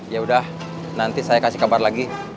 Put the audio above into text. yaudah nanti saya kasih kabar lagi